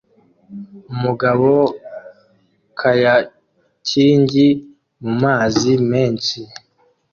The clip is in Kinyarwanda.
Umugabo kayakiingi mumazi menshi